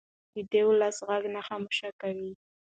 دی د ولس غږ نه خاموشه کوي.